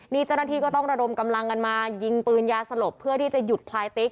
นี่เจ้าหน้าที่ก็ต้องระดมกำลังกันมายิงปืนยาสลบเพื่อที่จะหยุดพลายติ๊ก